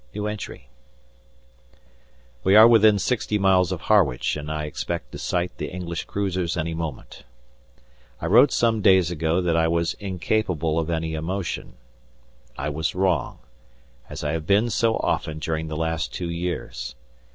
We are within sixty miles of Harwich and I expect to sight the English cruisers any moment. I wrote some days ago that I was incapable of any emotion. I was wrong, as I have been so often during the last two years.